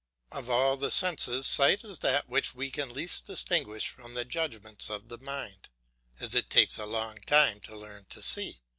Of all the senses, sight is that which we can least distinguish from the judgments of the mind; as it takes a long time to learn to see.